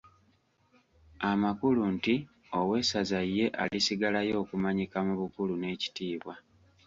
Amakulu nti owessaza ye alisigalayo okumanyika mu bukulu n'ekitiibwa.